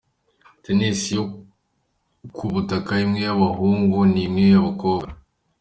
Tennis yo ku butaka imwe y’abahungu n’imwe y’abakobwa.